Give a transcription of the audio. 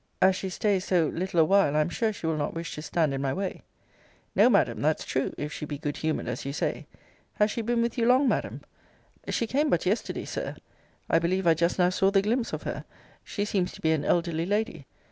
As she stays so little a while, I am sure she will not wish to stand in my way. No, Madam, that's true, if she be good humoured, as you say Has she been with you long, Madam? She came but yesterday, Sir I believe I just now saw the glimpse of her. She seems to be an elderly lady.